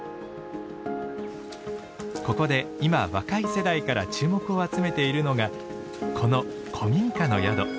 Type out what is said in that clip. ここで今若い世代から注目を集めているのがこの古民家の宿。